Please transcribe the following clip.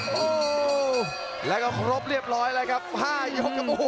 โอ้โหแล้วก็ครบเรียบร้อยแล้วครับ๕ยกครับโอ้โห